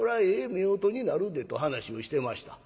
夫婦になるでと話をしてました。